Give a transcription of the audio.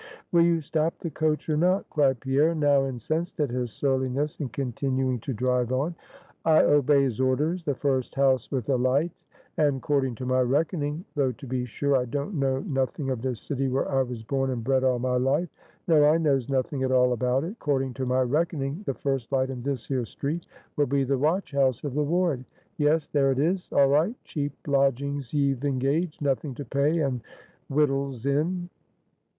"Will you stop the coach, or not?" cried Pierre, now incensed at his surliness in continuing to drive on. "I obeys orders: the first house with a light; and 'cording to my reck'ning though to be sure, I don't know nothing of the city where I was born and bred all my life no, I knows nothing at all about it 'cording to my reck'ning, the first light in this here street will be the watch house of the ward yes, there it is all right! cheap lodgings ye've engaged nothing to pay, and wictuals in."